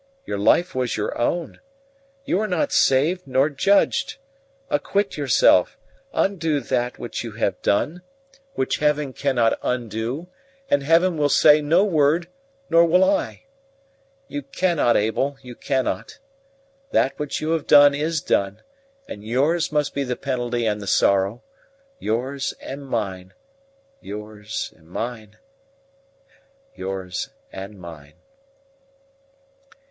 Your life was your own; you are not saved nor judged! acquit yourself undo that which you have done, which Heaven cannot undo and Heaven will say no word nor will I. You cannot, Abel, you cannot. That which you have done is done, and yours must be the penalty and the sorrow yours and mine yours and mine yours and mine."